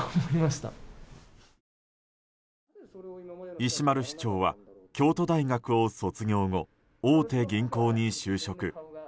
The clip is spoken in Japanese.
石丸市長は京都大学を卒業後大手銀行に就職。